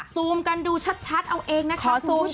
ซูมกันดูชัดเอาเองนะคะคุณผู้ชม